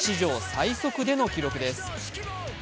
最速での記録です。